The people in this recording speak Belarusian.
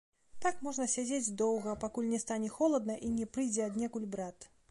Так можна сядзець доўга, пакуль не стане холадна і не прыйдзе аднекуль брат.